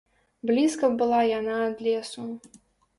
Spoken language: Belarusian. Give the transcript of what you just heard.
Блізка была яна ад лесу.